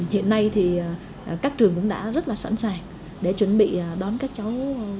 hiện nay các trường cũng đã rất sẵn sàng để chuẩn bị đón các cháu